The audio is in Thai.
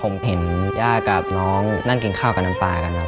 ผมเห็นย่ากับน้องนั่งกินข้าวกับน้ำปลากันเนอ